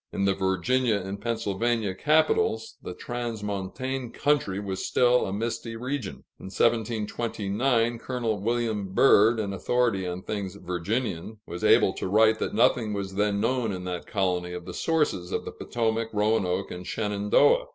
In the Virginia and Pennsylvania capitals, the transmontane country was still a misty region. In 1729, Col. William Byrd, an authority on things Virginian, was able to write that nothing was then known in that colony of the sources of the Potomac, Roanoke, and Shenandoah.